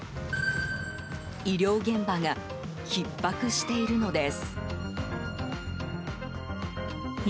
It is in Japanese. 医療現場がひっ迫しているのです。